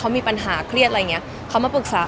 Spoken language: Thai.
เขามีปัญหาเครียดอะไรอย่างเงี้ยเขามาปรึกษา